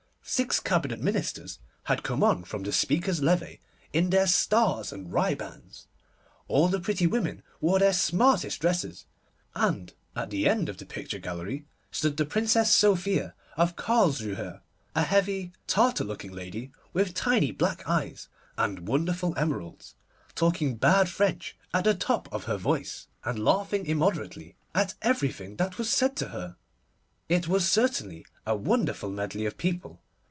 Six Cabinet Ministers had come on from the Speaker's Levée in their stars and ribands, all the pretty women wore their smartest dresses, and at the end of the picture gallery stood the Princess Sophia of Carlsrühe, a heavy Tartar looking lady, with tiny black eyes and wonderful emeralds, talking bad French at the top of her voice, and laughing immoderately at everything that was said to her. It was certainly a wonderful medley of people.